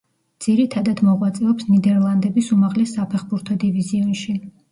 ძირითადად მოღვაწეობს ნიდერლანდების უმაღლეს საფეხბურთო დივიზიონში.